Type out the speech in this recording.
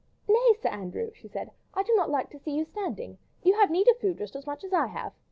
"Nay, Sir Andrew," she said, "I do not like to see you standing. You have need of food just as much as I have.